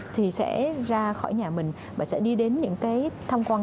thì sẽ ra khỏi nhà mình và sẽ đi đến những cái thông quan